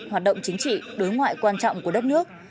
hoạt động chính trị đối ngoại quan trọng của đất nước